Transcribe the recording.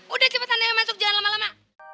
udah cepetan deh masuk jangan lama lama